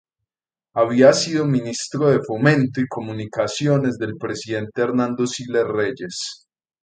Había sido Ministro de Fomento y Comunicaciones del Presidente Hernando Siles Reyes.